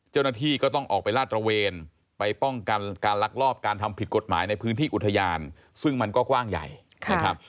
เจ้าหน้าที่ก็ต้องออกไปลาดตระเวนไปป้องกันการลักลอบการทำผิดกฎหมายในพื้นที่อุทยานซึ่งมันก็กว้างใหญ่นะครับ